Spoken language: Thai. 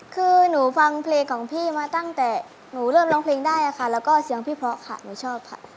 คือหนูฟังเพลงของพี่มาตั้งแต่หนูเริ่มร้องเพลงได้ค่ะแล้วก็เสียงพี่เพราะค่ะหนูชอบค่ะ